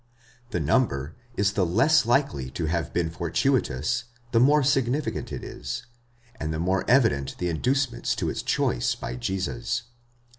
The number is the less likely to have been fortuitous, the more significant it is, and the more evident the inducements to its choice by Jesus.